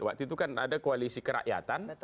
waktu itu kan ada koalisi kerakyatan